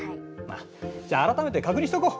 まあじゃあ改めて確認しておこう。